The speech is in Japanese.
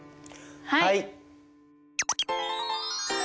はい！